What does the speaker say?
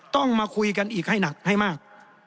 ต้องมาคุยกันอีกให้หนักให้มาก